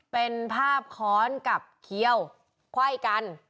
เป็นภาพค้อนกับเคี้ยวไขว้กัน